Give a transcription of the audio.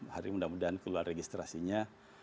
hari mudah mudahan keluar registrasinya